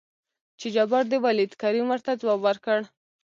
چې جبار دې ولېد؟ کريم ورته ځواب ورکړ.